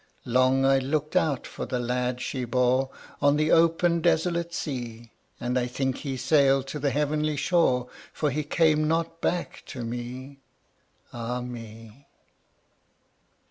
Long I looked out for the lad she bore, On the open desolate sea, And I think he sailed to the heavenly shore, For he came not back to me Ah me!